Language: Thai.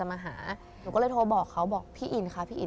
เพราะเราเคยเป็นอันนี้